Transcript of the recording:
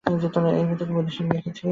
এ ব্যক্তিকে বৈদেশিকে দেখিতেছি।